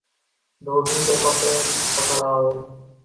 دھوبی کو کپڑے پکڑا او